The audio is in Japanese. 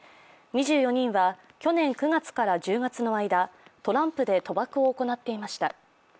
２４人は去年９月から１０月の間、トランプで賭博を行っていました。